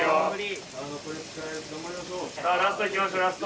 さあラストいきましょうラスト！